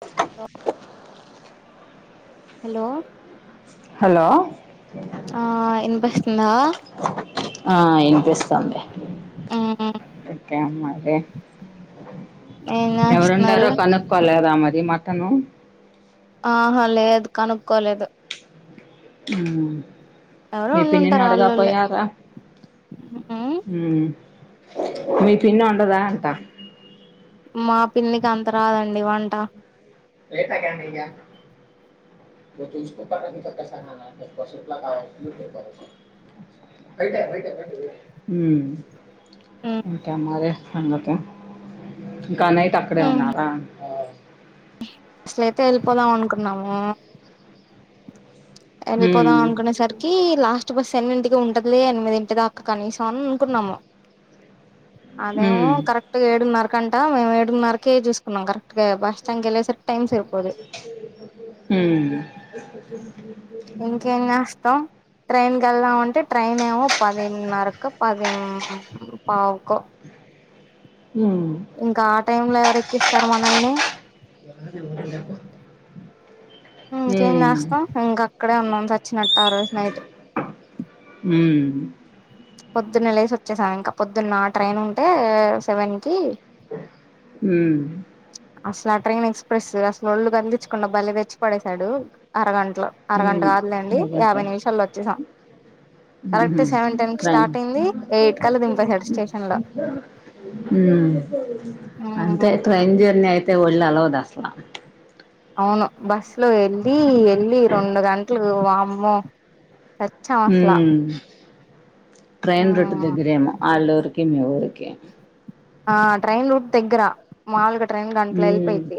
అ hello hello hello ఆ ఇనిపిస్తుందా ఆ ఏం చేస్తాంది మ్మ్ ఓకే మరి ఏం చేస్తున్నారు ఎవరుండారో కనుక్కోలేదా మరి మటను ఆహా లేదు కనుక్కోలేదు ఊమ్ ఎవరో మీ పిన్నిన్ ఉండుంటారు నడుగా ఆళ్ళోళ్ళే పోయార మ్మ్ ఊమ్ మీ పిన్న్ ఒండదా అంటా మా పిన్నిక్ అంత రాదండి వంట లేత కండియా త స్కుప్ప కసాసలా [inaudible] ఊమ్ ఇంక మరి సంగతి ఇంకాన్నాైట్ అక్కడే మ్మ్ ఉన్నారా ఆ అసలయితే ఎళ్ళిపోదాం అనుకున్నాము ఉమ్ ఎళ్ళిపోదాం అనుకునేసరి కీ లాస్ట్ బస్ ఎనిమింటికి ఉంటది లే ఎనిమిదింటి దాక్క కనీసం అని అనుకున్నాము అదేమో ఉమ్ కరెక్ ట్ గ్ ఏడున్నరకంటా మేము ఏడున్నరకేజేసుకున్నాం కరక్ట్గా బస్ స్టండ్ కెళ్ళేసరి టైంసరిపోదు ఊమ్ ఇంకేం జేస్తావ్ ట్రైన్ కెళ్దామంటే ట్రైన్ ఏమో పదిన్నరకు పదిం పావుకో ఉమ్ ఇంకా టైమ్ లో ఎవరెక్కిస్తారు మనల్ని ఎవర్ ఎవర్ లేరు ఇంకేం జేస్తాం ఇంకక్కడే ఉన్నాం సచ్చినట్ ఆ రోజ్ నైట్ మ్ పొద్దున్నేలేసి ఒచ్చేసామింకా పొద్దున్న ట్రైన్ ఉంటే సెవెన్కి ఉమ్ అసల్ ఆ ట్రైన్ ఎక్స్ప్రెస్ అసలు ఒళ్ళు కదిలించ్ కుండా బలే తెచ్చి పడేశాడు అరగంటలో అరగంట ఉమ్ కాదులేండి అదంతా యాభై నిమిషాల్లో ఒచ్చేసాం ఉహు కరెక్ట్ సెవెన్ టెన్ కి ట్రైన్ స్టార్ట్ అయింది ఎయిట్ కల్లా దింపేసడ్ స్టేషన్లో ఊమ్ అంతే ట్రైన్ జర్నీ అయితే ఒళ్ అలవాదసలా అవును బస్ లో ఎళ్ళి ఎళ్ళి రెండు గంటలు వామ్ము సచ్ ఊమ్ ట్రైన్ రూట్ మ్మ్ దగ్గరేమో ఆళ్ళఊరికి మీ ఊరికి ఆ ట్రైయిన్ రూట్ దగ్గర మాలుగ ట్రైన్ గంట్లో ఉమ్ ఎళ్ళిపోయిది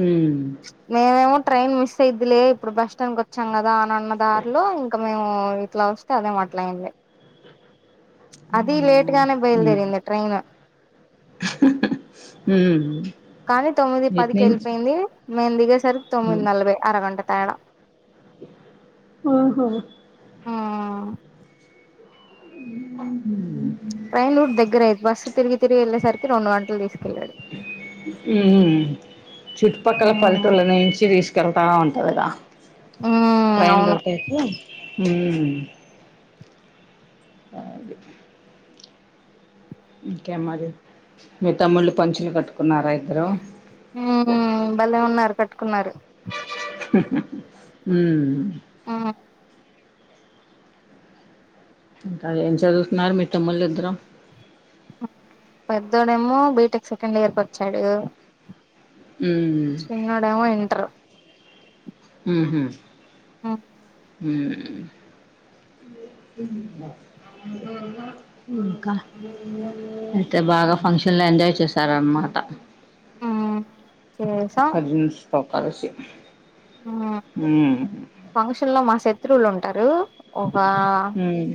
ఉమ్ మేమేమో ట్రైన్ మిస్ అయిద్దిలే ఇప్పుడు బస్ స్టాండ్ కొచ్చాం గదా అని అన్న దారిలో ఇంకా మేము ఇట్లా ఒస్తే అదేమ్ అట్లా అయింది అది లేట్గానే బయలుదేరింది ట్రైన్ ఊమ్ కానీ తొమ్మిది పదికెళ్ళిపోయింది మేమ్ దిగేసరి తొమ్మిది నలభై అరగంట తేడా ఆహా మ్మ్ ఉమ్మ్ హ్ ట్రైన్ లూట్ దగ్గరయి బస్సు తిగి తిరిగి ఏళ్ళేసరికి రెండు గంటల్ తీసుకెళ్లాడు ఊ హు చుట్టుపక్కల మ్మ్ పల్టుల నుంచి తీస్ తిరట ఉంటుందిగా మ్మ్ ట్రైన్ అవును రోటేకి ఊమ్మ్ అ అగే ఇంకే మరి మీ తమ్ముళ్ళు పంచులు కట్టుకున్నారా ఇద్దరూ ఊ బలే ఉన్నారు కట్టుకున్నారు ఉమ్ ఆ ఇంకా ఏం చదుత్నారూ మీ తమ్ముల్లిద్దరు పెద్దోడేమో బీటెక్ సెకండ్ ఇయర్ కొచ్చాడు ఉమ్ చిన్నోడేమో ఇంట్రు ఉహు ఉమ్ ఊ [unintelligible] అయితే బాగ ఫంక్షన్ లో ఎంజాయ్ చేశారన్మాట ఉమ్ చేసాం కజిన్స్ తో కలిసి ఆ ఉమ్ ఫంక్షన్ లో మా శత్రువులు ఉంటరూ ఒకా ఉమ్,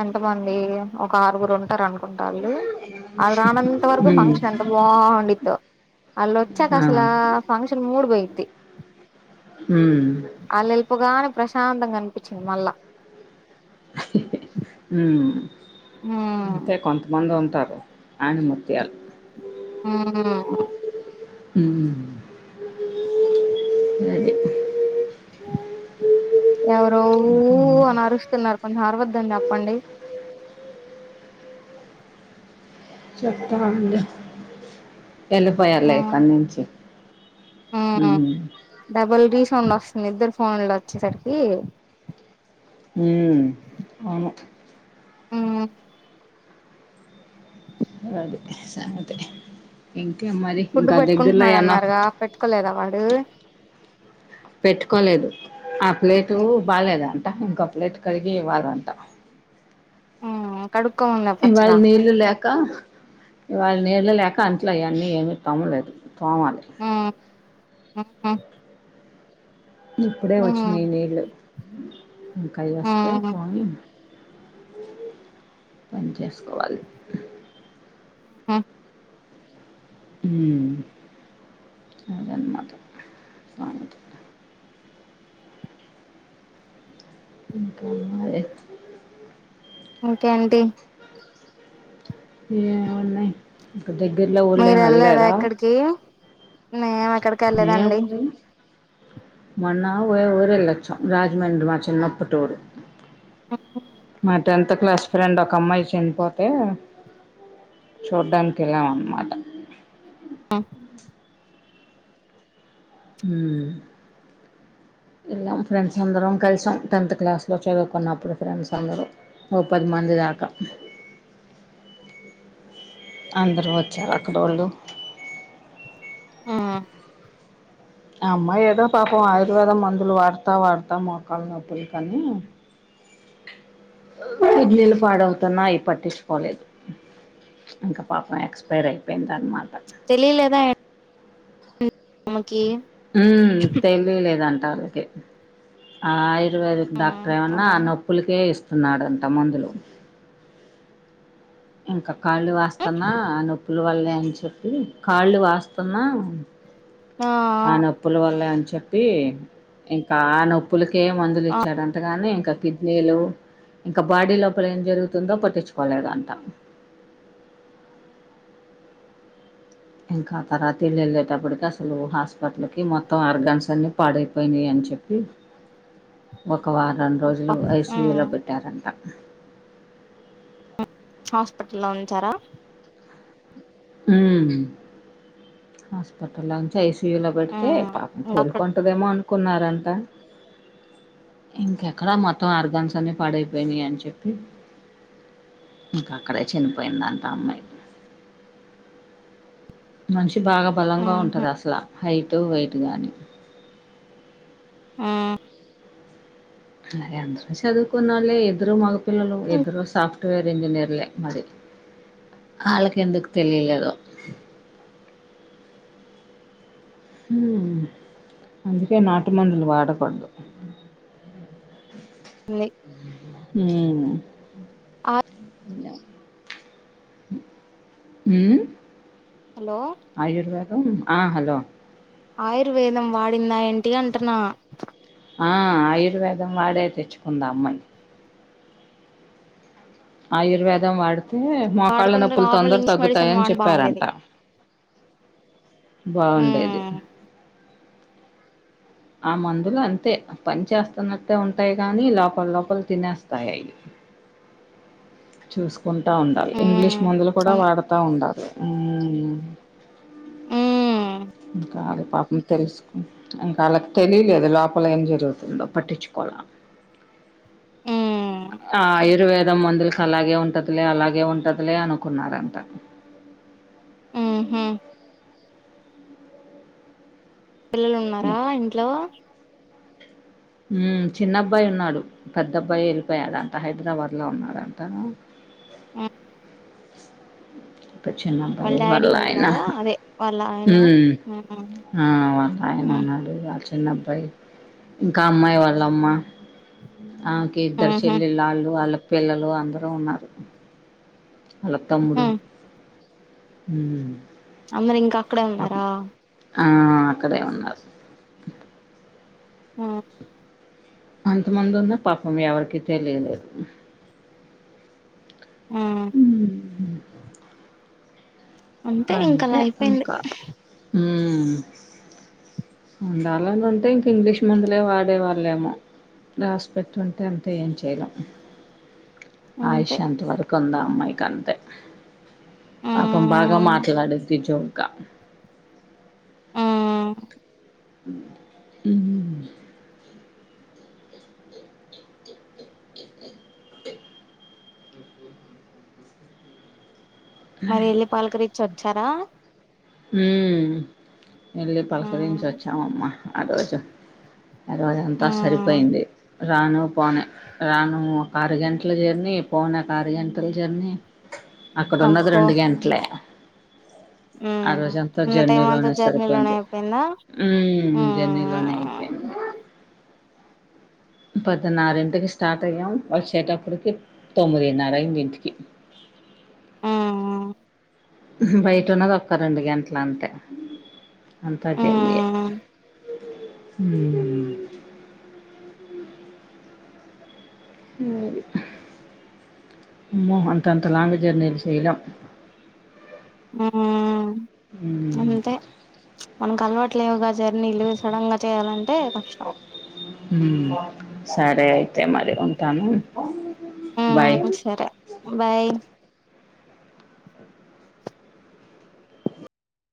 అన్ తమందీ ఒక ఆరుగురు ఉంటారు అను కుంటాల్లు అల్లూ రానం త వర్కు ఫంక్షన్ ఎంత బావుండిద్దో ఆల్లొచ్చాక ఆ అస్లూ ఫంక్షన్ మూడు పోయిద్ధి హామ్ ఆల్ ఎల్పోగానే ప్రశాంతంగ అనిపించింది మళ్ళా ఊ ఉమ్ అంతే కొంతమంది ఉంటారు ఆనిముత్యాలు ఊ హామ్ అది ఎవరో ఊ ఇంకేంటి అని అరుస్తున్నారు కొంచెం అర్వద్దని చెప్పండి చెప్తానండి ఎళ్ళిపోయార్లే ఉమ్ ఇక్క నించి ఉ డబల్ గీ సౌండ్ ఓస్తుంది ఇద్దరు ఫోన్లు ఒచ్చేసరికి ఉమ్ అవును ఊ అది సంగతి ఇంకేం మరి ఫుడ్ ఇంకా పెట్టుకుంటున్నాడు దెగ్గర్లోయన్న అన్నారుగా పెట్టుకోలేదా వాడు పెట్టుకోలేదు ఆ ప్లేటూ బాలేదంట ఇంకొ ప్లేటు కడిగి ఇవ్వలంట కడుక్కోమన్న ఇవాళ్ళ నీల్లు లేక ఇవాళ్ళ నీల్లు లేక అంట్లు అయన్నీ ఏమి తిమలేదు తోవాలి ఆ అ అ ఇప్పుడే వచ్చినయ్ నీళ్లు ఇంకా అయ్అస్తే ఉమ్ తోవి పని చేస్కోవాలి హు ఊ ఆదన్మాట సంగతి ఇంకే ఏం మరే ఇంకేంటి ఏ ఉన్నయ్ ఇంకా దెగ్గిరలో ఊళ్లేం ఎల్లేదా చేయు మేం ఎక్కడికి మే హు మొన్న ఒ ఊరెల్లొచ్చం రాజమండ్రి మా చిన్నప్పటి ఊరు ఆహ మా టెన్త్ క్లాస్ ఫ్రెండ్ ఒక అమ్మాయి చనిపోతే చూడ్డానికి ఎళ్ళాం అన్మాట అ ఊ ఎల్లాం ఫ్రెండ్స్ అందరం కలిసాం టెన్త్ క్లాస్లో చదువుకున్నప్పుడు ఫ్రెండ్స్ అందరు ఓ పది మంది దాక అ [inaudible] అందురు వచ్చారు అక్కడొల్లు అ ఆ అమ్మాయి ఏదో పాపం ఆయుర్వేదం మందులు వాడతా వాడతా మొక్కలు నొప్పులు కని అ [inaudible] కిడ్నీలు పాడవుతున్నా అవి పట్టించుకోలేదు ఇంకా పాపం ఎక్స్పైర్ అయిపోయిందన్నమాట తెలియలేదా ఎంటి ఆమేకి హ్మ్ తెలియలేదంట వాళ్ళకి ఆ ఆయుర్వేదిక్ ఉమ్ డాక్టర్ ఏమన్నా ఓకే ఆ నొప్పులకే ఇస్తున్నాడంట మందులు ఇంకా కాళ్ళు వాస్తున్నా నొప్పులు వల్లే అని చెప్పి కాళ్ళు వాస్తున్నా ఆ నొప్పుల వల్ల అని చెప్పి ఇంకా ఆ నొప్పులకే మందులు ఆ ఇచ్చాడ అంతగానే ఇంకా కిడ్నీలు ఇంకా బాడీ లోపల ఏం జరుగుతుందో పట్టించుకోలేదంట ఇంకా తర్వాత ఎళ్ళి ఎళ్ళేటప్పటికి అసలు హాస్పిటల్కి మొత్తం ఆర్గన్స్ అన్ని పాడైపోయినాయి అని చెప్పి [inaudible] ఒక వారం అబ్బా రోజులు ఐస్యూ ఉమ్ లో పెట్టారంట హాస్పిటల్లో ఉంచారా హ్మ్ హాస్పిటల్లో నుంచి ఐసీయూలో పెడితే పాపం ఉమ్ అక్కడ కోలుకుంటదేమో అనుకున్నారంట ఇంకెక్కడ మొత్తం ఆర్గాన్స్ అన్ని పాడైపోయినయి అని చెప్పి ఇంకా అక్కడే చనిపోయిందంట అ అమ్మాయి మనిషి బాగా బలంగా ఉహు ఉంటది అసల హైట్ వెయిట్ గానీ ఆ అదే అందరు చదువుకున్న వాళ్ళే ఇద్దరు మగపిల్లలు ఇద్దరు సాఫ్ట్వేర్ ఇంజనీర్లే మరి అ [inaudible] ఆళ్ళకి ఎందుకు తెలియలేదో ఉహు అందుకే నాటుమందులు వాడకూడదు లే హ్మ్ అ ఉ హలో ఆయుర్వేదం అ హలో ఆయుర్వేదం వాడిందా ఏంటి అంటున్నా అ ఆయుర్వేదం వాడే తెచ్చుకుంద అ అమ్మాయి ఆయుర్వేదం వాడితే మోకాళ్ళ వాడకుండా నొప్పులు నార్మల్ తొందర ఇంగ్లీష్ మెడిసిన్ తగ్గుతాయని వాడి బాగుండేది చెప్పారంట బావుండేది ఉమ్ ఆ మందులు అంతే పని చేస్తున్నట్టే ఉంటాయి గాని లోపల లోపల తినేస్తాయి [inaudible] చుస్ కుంట ఉండాలి ఉమ్ ఇంగ్లీష్ ముందులు కూడా అవును వాడతా ఉండాలి ఉమ్ కాదు పాపం తెలుసుకున్ ఇంకా వాళ్ళకి తెలియలేదు లోపల ఏం జరుగుతుందో పట్టించుకోల ఆ ఆయుర్వేదం మందులకి అలాగే ఉంటదిలే అలాగే ఉంటదిలే అనుకున్నారంట ఊ హూ పిల్లలు ఉన్నారా ఇంట్లో హ్మ్ చిన్న అబ్బాయి ఉన్నాడు పెద్ద అబ్బాయి వెళ్ళిపోయాడు అంట హైదరాబాద్ లో ఉన్నాడంట ఉమ్ చిన్నబ్బాయి డాడీ వాళ్ళ ఆయన ఉన్నారా అదే వాళ్ళ ఆయన హ్మ్ ఉహు అ వాళ్ళు ఆయన ఉ ఉన్నారు వాళ్ల చిన్నబ్బాయి ఇంకా ఆ అమ్మాయి వాళ్ళ అమ్మ ఆమెకి ఇద్దరు ఉహు చెల్లెళ్ళ వాళ్ళు వాళ్ల పిల్లలు అందరూ ఉన్నారు వాళ్ల తమ్ముడు ఉహు అందరూ ఇంకా అక్కడే పాపం ఉన్నారా ఆ అక్కడే ఉన్నారు హమ్ అంతమంది ఉన్న పాపం ఎవరికి తెలిదు ఊ ఇంక అలా అంతే అయిపోయింది ఇంకా హామ్ ఉండాలని ఉంటే ఇంక ఇంగ్లీష్ మందులే వాడేవాళ్ళేమో రాసి పెట్టు ఉంటే అంతే ఏం చేయలేం ఆయుష్ అంతే అంత వరకు వుందా అమ్మాయికి అంతే ఆ పాపం బాగా మాట్లాడిధీ జోక్గా ఉమ్ అ ఉమ్ మరి వెళ్లి పలకరించి వచ్చారా హామ్ వెళ్ళి ఆ పలకరించి వచ్చామమ్మ ఆ రోజు ఆ రోజ అంతా ఆ సరిపోయింది రాను పోనే రాను ఒక అరు గంటల జర్నీ పోనే ఒక అరు గంటల జర్నీ అక్కడ ఉన్నది అబ్బో రెండు గంటలే ఆ ఉమ్ రోజు అంతా ఉన్న జర్నీ టైం అంతా లోనే జర్నీలోనే సరిపోయింది అయిపోయిందా ఉమ్ జర్నీలోనే ఉమ్ అయిపోయింది పొద్దున్న ఆరింటికి స్టార్ట్ అయ్యాము వచ్చేటప్పటికి తొమ్మిదిన్నర అయింది ఇంటికి ఉమ్ బయట ఉన్నది ఒక్క రెండు గంటలు అంతే అంతా జర్నీ యే ఉమ్ హు అమ్మో అంత అంత లాంగ్ జెర్నీలు చేయలేం ఉమ్ ఉమ్ అంతే మనకు అలవాట్లులేవుగా జర్నీలు సడెన్ గా చేయాలంటే కష్టం హమ్ సరే అయితే మరి ఉంటాను బాయ్ ఉమ్ సరే బాయ్